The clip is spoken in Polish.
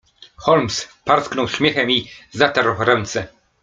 "Holmes parsknął śmiechem i zatarł ręce."